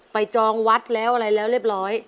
จองวัดแล้วอะไรแล้วเรียบร้อย